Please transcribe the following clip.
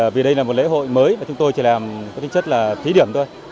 vì đây là một lễ hội mới mà chúng tôi chỉ làm có tính chất là thí điểm thôi